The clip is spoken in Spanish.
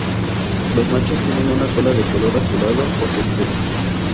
Los machos tienen una cola de color azulado o turquesa.